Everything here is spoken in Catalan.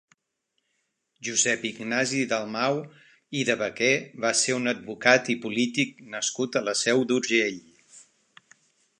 Josep Ignasi Dalmau i de Baquer va ser un advocat i polític nascut a la Seu d'Urgell.